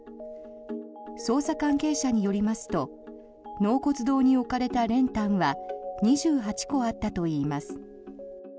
捜査関係者によりますと納骨堂に置かれた練炭は２８個あったといいます。